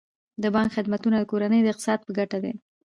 د بانک خدمتونه د کورنیو د اقتصاد په ګټه دي.